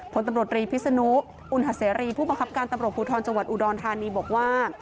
ผลตำรวจรีพิศนุอุณหาเสรีผู้บังคับการตำรวจภูทรจังหวัดอุดรธานีบอกว่า